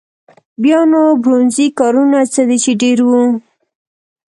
بیا نو برونزي کارونه څه دي چې ډېر وو.